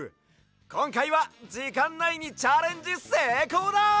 こんかいはじかんないにチャレンジせいこうだ！